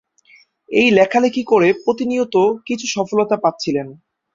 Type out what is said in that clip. এই লেখালেখি করে প্রতিনিয়ত কিছু সফলতা পাচ্ছিলেন।